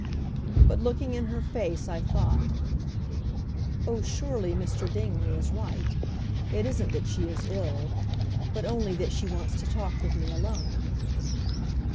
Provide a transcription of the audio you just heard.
But, looking in her face, I thought, "Oh, surely Mr. Dingley is right. It isn't that she is ill, but only that she wants to talk with me alone."